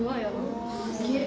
すげえ！